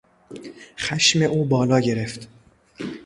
خشم او بالا گرفت.